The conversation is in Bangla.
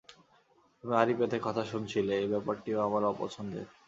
তুমি আড়ি পেতে কথা শুনছিলে এ ব্যাপারটিও আমার অপছন্দের।